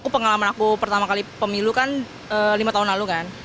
pengalaman aku pertama kali pemilu kan lima tahun lalu kan